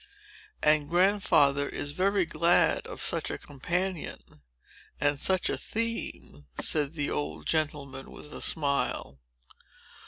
"And Grandfather is very glad of such a companion, and such a theme," said the old gentleman, with a smile.